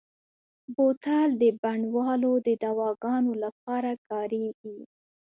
بوتل د بڼوالو د دواګانو لپاره کارېږي.